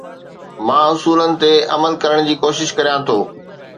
مان اصولن تي عمل ڪرڻ جي ڪوشش ڪريان ٿو